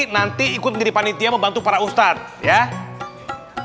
nanti ikut jadi panitia membantu para ustadz ya setuju